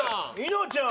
稲ちゃん！